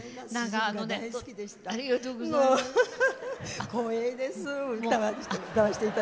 大好きでした。